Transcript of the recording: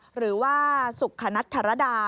หรือว่าสุขคณัฐรดา